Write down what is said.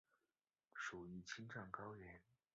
属于青藏高原。